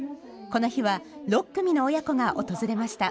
この日は６組の親子が訪れました。